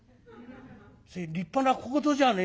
「それ立派な小言じゃねえのか」。